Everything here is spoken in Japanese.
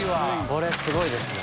これすごいですよ。